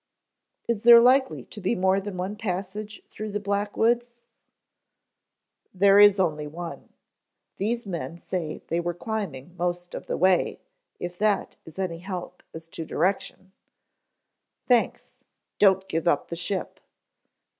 "Is there likely to be more than one passage through the Black Woods?" he asked. "There is only one. These men say they were climbing most of the way, if that is any help as to direction." "Thanks. Don't give up the ship."